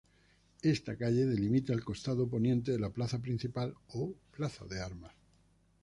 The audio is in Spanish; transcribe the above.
Esta calle delimita el costado poniente de la plaza principal o Plaza de Armas.